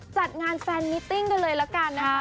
จัดงานแฟนมิติ้งกันเลยละกันนะคะ